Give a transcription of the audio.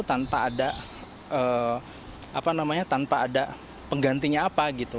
tanpa ada apa namanya tanpa ada penggantinya apa gitu